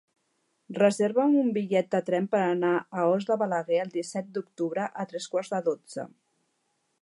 Reserva'm un bitllet de tren per anar a Os de Balaguer el disset d'octubre a tres quarts de dotze.